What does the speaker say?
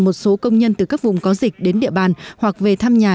một số công nhân từ các vùng có dịch đến địa bàn hoặc về thăm nhà